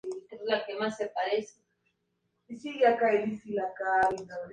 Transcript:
Siendo uno de los tres únicos países que han ganado los juegos.